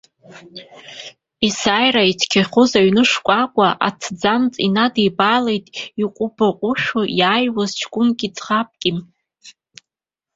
Есааира ицқьахоз аҩны шкәакәа аҭӡамц инадибалеит иҟәбаҟәшәо иааиуаз ҷкәынаки ӡӷабки.